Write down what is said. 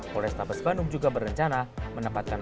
polres tabes bandung juga berencana menempatkan